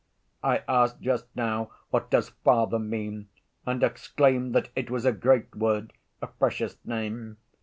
"I asked just now what does 'father' mean, and exclaimed that it was a great word, a precious name.